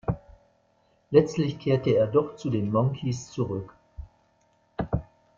Letztlich kehrte er doch zu den Monkees zurück.